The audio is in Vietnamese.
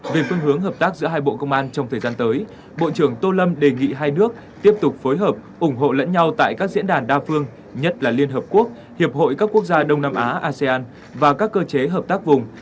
về phương hướng hợp tác giữa hai bộ công an trong thời gian tới bộ trưởng tô lâm đề nghị hai nước tiếp tục phối hợp ủng hộ lẫn nhau tại các diễn đàn đa phương nhất là liên hợp quốc hiệp hội các quốc gia đông nam á asean và các cơ chế hợp tác vùng